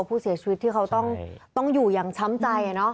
ผู้เสียชีวิตที่เขาต้องอยู่อย่างช้ำใจ